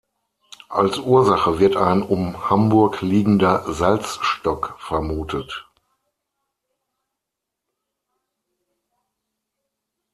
Als Ursache wird ein um Hamburg liegender Salzstock vermutet.